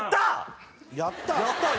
「やったー！」？